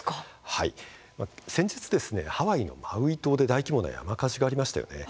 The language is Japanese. はい、先日ハワイのマウイ島で大規模な山火事がありましたよね。